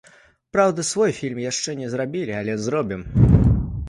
Праўда, свой фільм яшчэ не зрабілі, але зробім.